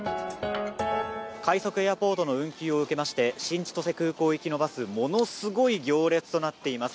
快速エアポートの運休を受けまして新千歳空港行きのバスものすごい行列となっています。